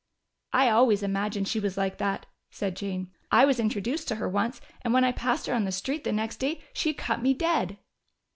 "I always imagined she was like that," said Jane. "I was introduced to her once, and when I passed her on the street the next day she cut me dead."